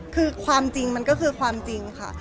คือความจริงมันก็คือความจริงค่ะ